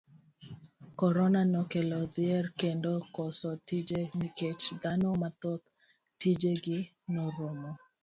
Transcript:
Korona nokelo dhier kendo koso tije nikech dhano mathoth tije gi norumo.